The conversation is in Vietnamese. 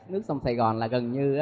nước sông sài gòn là gần như